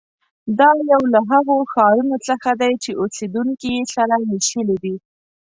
دا یو له هغو ښارونو څخه دی چې اوسېدونکي یې سره وېشلي دي.